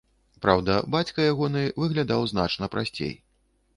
Праўда, бацька ягоны выглядаў значна прасцей.